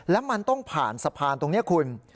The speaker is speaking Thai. แล้วมันต้องผ่านสะพานตรงนี้คุณ